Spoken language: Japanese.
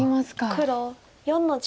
黒４の十。